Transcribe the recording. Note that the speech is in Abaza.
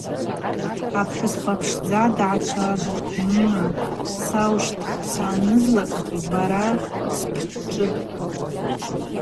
Апхӏвыспа пшдза дгӏачважватӏ: – Мма, саущтх, съанызлакӏгьи бара сбчӏвыпӏ.